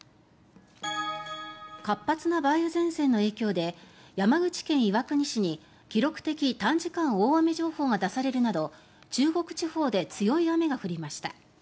活発な梅雨前線の影響で山口県岩国市に記録的短時間大雨情報が出されるなど中国地方で強い雨が降りました。